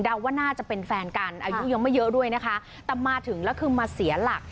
ว่าน่าจะเป็นแฟนกันอายุยังไม่เยอะด้วยนะคะแต่มาถึงแล้วคือมาเสียหลัก